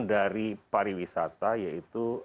dari pariwisata yaitu